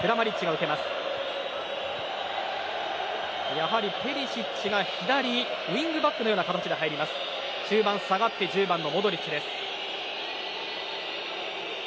やはりペリシッチが左ウィングバックのような形です。